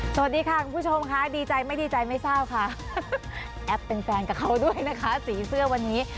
สวัสดีค่ะคุณผู้ชมค่ะดีใจไม่ดีใจไม่ทราบค่ะแอปเป็นแฟนกับเขาด้วยนะคะสีเสื้อวันนี้